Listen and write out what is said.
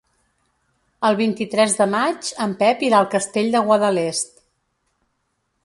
El vint-i-tres de maig en Pep irà al Castell de Guadalest.